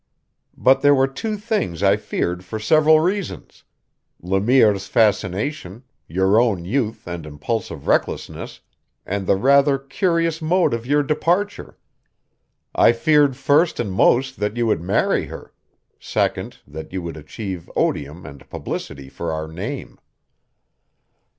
"But there were two things I feared for several reasons Le Mire's fascination, your own youth and impulsive recklessness, and the rather curious mode of your departure. I feared first and most that you would marry her; second, that you would achieve odium and publicity for our name."